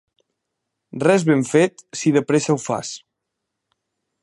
Res ben fet si de pressa ho fas.